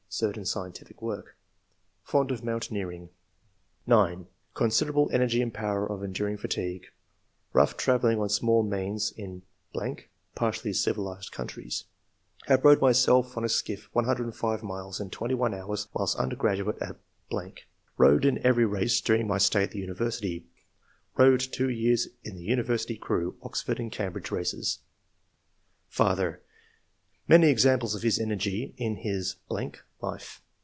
[certain scientific work.] Fond of mountaineering.'' 9. *' Considerable energy and power of en during fatigue ; rough travelling on small means G 82 ENGLISH MEN OF SCIENCE. [chap. in ... [partly civilized countries.] Have rowed myself in a skiflf 105 miles in twenty one hours whilst undergraduate at ...; rowed in every race during my stay at the university ; rowed two years in the university crew [Oxford and Cambridge races.] Father — [Many examples of his energy in his ... life.